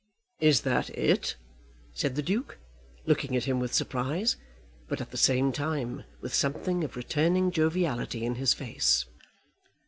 "Is that it?" said the Duke, looking at him with surprise, but at the same time with something of returning joviality in his face.